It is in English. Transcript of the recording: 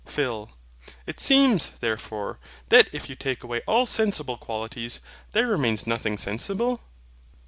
PHIL. It seems, therefore, that if you take away all sensible qualities, there remains nothing sensible?